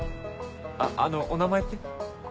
あのお名前って？